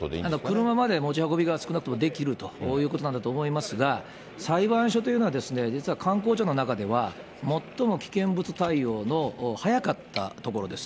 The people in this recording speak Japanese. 車まで持ち運びが少なくともできるということなんだと思いますが、裁判所というのは、実は官公庁の中では最も危険物対応の早かったところです。